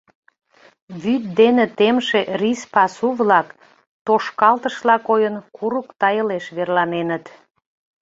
Вӱд дене темше рис пасу-влак, тошкалтышла койын, курык тайылеш верланеныт.